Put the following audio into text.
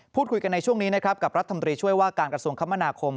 พูดคุยกันในช่วงนี้นะครับกับรัฐมนตรีช่วยว่าการกระทรวงคมนาคม